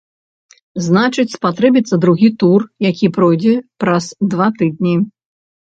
Значыць, спатрэбіцца другі тур, які пройдзе праз два тыдні.